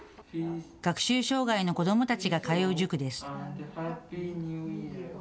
学習障害の子どもたちが通う塾です。